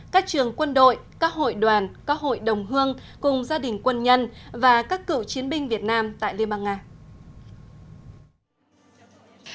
các trường quân đội các hội đoàn các hội đồng hương cùng gia đình quân nhân và các cựu chiến binh việt nam tại liên bang nga